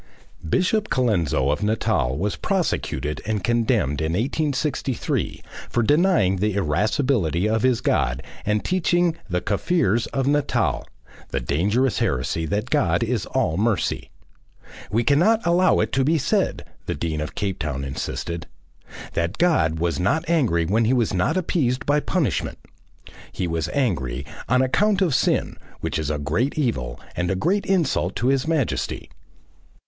Bishop Colenso of Natal was prosecuted and condemned in 1863 for denying the irascibility of his God and teaching "the Kaffirs of Natal" the dangerous heresy that God is all mercy. "We cannot allow it to be said," the Dean of Cape Town insisted, "that God was not angry and was not appeased by punishment." He was angry "on account of Sin, which is a great evil and a great insult to His Majesty."